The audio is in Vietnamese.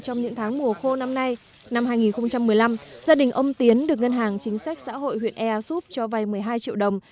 trong những tháng mùa khô năm nay năm hai nghìn một mươi năm gia đình ông tiến được ngân hàng chính sách xã hội huyện ea súp cho vay một mươi hai triệu đồng